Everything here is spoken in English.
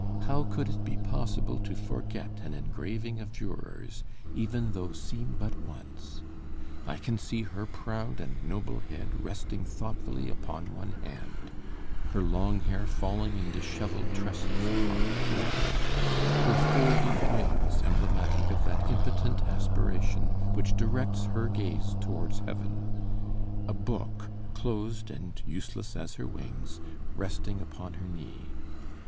How could it be possible to forget an engraving of Dürer's, even though seen but once? I can see her proud and noble head resting thoughtfully upon one hand, her long hair falling in disheveled tresses upon her shoulders; her folded wings emblematic of that impotent aspiration which directs her gaze towards heaven; a book, closed and useless as her wings, resting upon her knee.